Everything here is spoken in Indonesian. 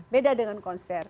beda dengan konsepnya